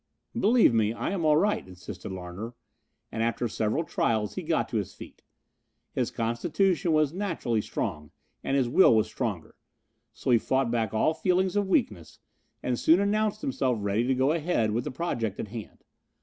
"Believe me, I am all right," insisted Larner, and after several trials he got to his feet. His constitution was naturally strong and his will was stronger, so he fought back all feelings of weakness and soon announced himself ready to go ahead with the project at hand.